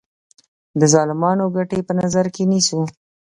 د ظالمانو ګټې په نظر کې نیسو.